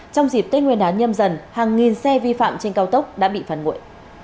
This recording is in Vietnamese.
trong dịp tết nguyên đán nhâm dần hàng nghìn xe vi phạm trên cao tốc đã bị phản nguội